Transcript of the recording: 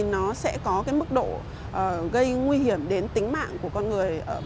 nó sẽ có cái mức độ gây nguy hiểm đến tính mạng của con người